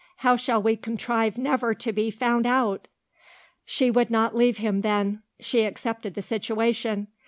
How shall we contrive never to be found out?" She would not leave him, then. She accepted the situation.